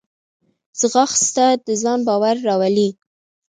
ځغاسته د ځان باور راولي